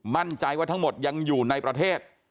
มั่นใจว่าทั้งหมดยังอยู่ในประเทศ